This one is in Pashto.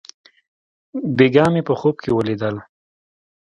بېګاه مې په خوب کښې وليدل.